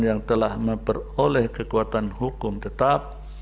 yang telah memperoleh kekuatan hukum tetap